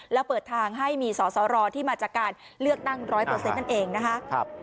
แล้วเปิดทางให้มีสอสรที่มาจากการเลือกตั้ง๑๐๐นั่นเองนะคะ